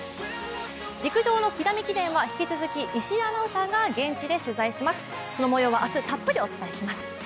陸上の木南記念は引き続き、石井アナウンサーが現地で取材します、そのもようは明日たっぷりお伝えします。